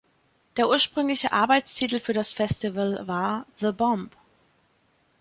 Der ursprüngliche Arbeitstitel für das Festival war "The Bomb".